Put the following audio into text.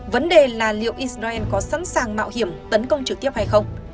vấn đề là liệu israel có sẵn sàng mạo hiểm tấn công trực tiếp hay không